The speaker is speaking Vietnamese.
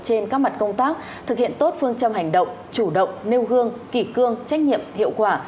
trên các mặt công tác thực hiện tốt phương châm hành động chủ động nêu gương kỳ cương trách nhiệm hiệu quả